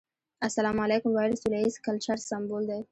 السلام عليکم ويل سوله ييز کلچر سمبول دی.